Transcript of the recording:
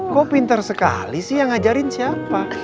kok pintar sekali sih yang ngajarin siapa